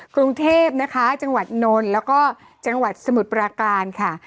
กรุงเทพนะคะจังหวัดนนท์แล้วก็จังหวัดสมุทรปราการค่ะ